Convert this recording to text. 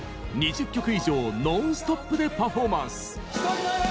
２０曲以上ノンストップでパフォーマンス！